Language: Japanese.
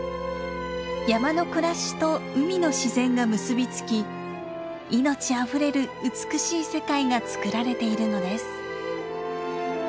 山の暮らしと海の自然が結び付き命あふれる美しい世界が作られているのです。